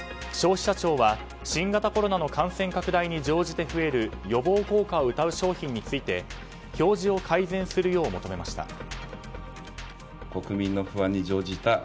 消費者庁は新型コロナの感染拡大に乗じて増える予防効果をうたう商品について表示を改善するよう求めました。